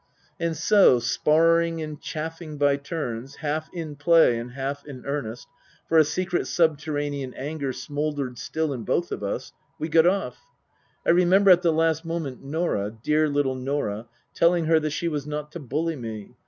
And so, sparring and chaffing by turns, half in play and half in earnest for a secret subterranean anger smouldered still in both of us we got off. I remember at the last moment Norah dear little Norah telling her that she was not to bully me.